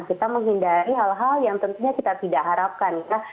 kita menghindari hal hal yang tentunya kita tidak harapkan ya